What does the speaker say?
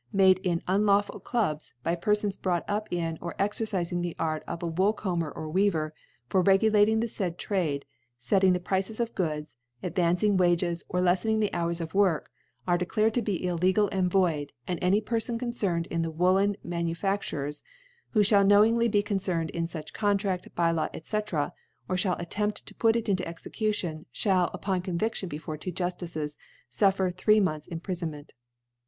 made in unlawful Clubs, by * Perfons brought up in, or exercifing the '• Arcof aWooU combcr orWeaver, forre * gulating the faid Trade, fettling the Prices * of Goods, advancing Wages, or leflening * the Hours of Work, are declared to be * illegal and void ; and any Perfon concern * cd in the Woollen Manufactures, who * ftiall knowingly be concerned in fuch Con * traft. By law, 6?r. or (hall attempt to put * it in Execution, (hall, upon Cbnviftion * before two Juftices, Mkv three Months * Imprifonment +.